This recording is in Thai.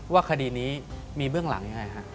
ว่าคดีนี้มีเบื้องหลังอย่างไรฮะ